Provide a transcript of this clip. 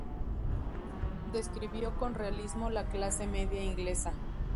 Describió con realismo la clase media inglesa.